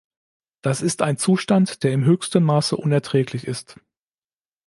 Das ist ein Zustand, der im höchsten Maße unerträglich ist.